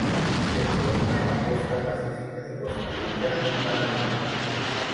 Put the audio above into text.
Se encuentra en la costa pacífica de Costa Rica y Panamá.